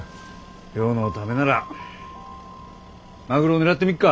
亮のためならマグロ狙ってみっか？